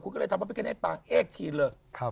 ก็เลยทำพระพิกาเนตปางเอกทีนเลย